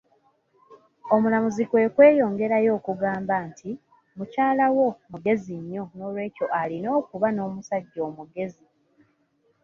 Omulamuzi kwe kweyongerayo okugamba nti, mukyala wo mugezi nnyo, n'olwekyo ayina okuba n'omusajja omugezi.